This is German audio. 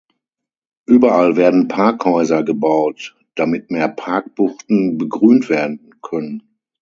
Überall werden Parkhäuser gebaut, damit mehr Parkbuchten begrünt werden können.